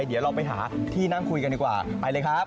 เดี๋ยวเราไปหาที่นั่งคุยกันดีกว่าไปเลยครับ